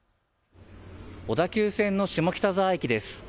小田急線の下北沢駅です。